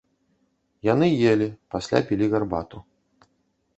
Яны елі, пасля пілі гарбату.